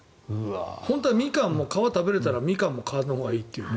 本当はミカンも皮を食べれたらミカンも皮のほうがいいっていうよね。